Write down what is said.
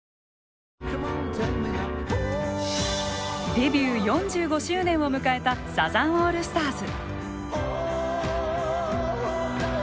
デビュー４５周年を迎えたサザンオールスターズ。